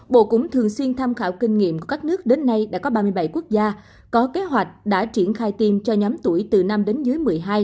bộ cũng thường xuyên tham khảo kinh nghiệm của các nước đến nay đã có ba mươi bảy quốc gia có kế hoạch đã triển khai tiêm cho nhóm tuổi từ năm đến dưới một mươi hai